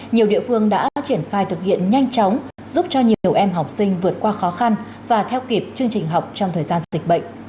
nhiều địa phương đã triển khai thực hiện nhanh chóng giúp cho nhiều em học sinh vượt qua khó khăn và theo kịp chương trình học trong thời gian dịch bệnh